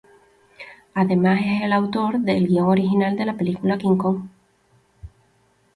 Además es el autor del guion original de la película "King-Kong".